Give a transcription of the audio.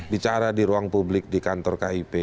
bicara di ruang publik di kantor kip